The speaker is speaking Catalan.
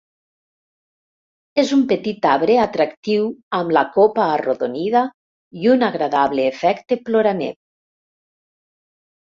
És un petit arbre atractiu amb la copa arrodonida i un agradable efecte ploraner.